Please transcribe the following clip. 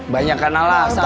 banyak kan alasan lu